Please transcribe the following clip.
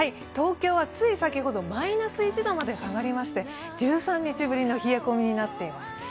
東京はつい先ほどマイナス１度まで下がりまして１３日ぶりの冷え込みになっています。